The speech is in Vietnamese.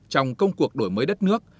trong công cuộc đổi mới đất nước